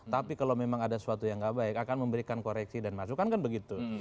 tapi kalau memang ada sesuatu yang gak baik akan memberikan koreksi dan masukan kan begitu